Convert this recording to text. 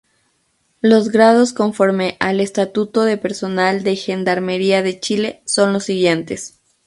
Los grados conforme al estatuto de personal de Gendarmería de Chile son los siguientes.